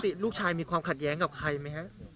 ปกติลูกชายมีความขัดแย้งกับใครไหมครับ